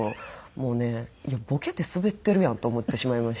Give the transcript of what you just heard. もうねボケてスベってるやんと思ってしまいまして。